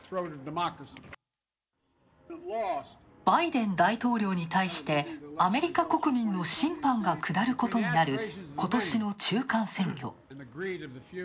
バイデン大統領に対して、アメリカ国民の審判がくだることになる今年の中間選挙。